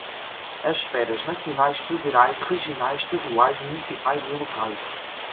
As esferas nacionais, federais, regionais, estaduais, municipais e locais